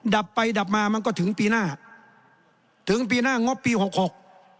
ดับไปดับมามันก็ถึงปีหน้าถึงปีหน้างบปีหกหก